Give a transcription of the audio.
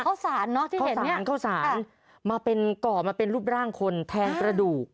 ข้าวสารเนอะที่เห็นเนี้ยข้าวสารข้าวสารค่ะมาเป็นก่อมาเป็นรูปร่างคนแทนกระดูก